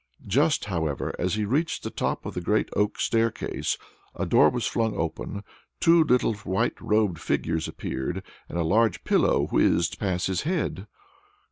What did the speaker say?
Just, however, as he reached the top of the great oak staircase, a door was flung open, two little white robed figures appeared, and a large pillow whizzed past his head!